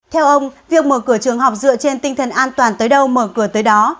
theo ông việc mở cửa trường học dựa trên tinh thần an toàn tới đâu mở cửa tới đó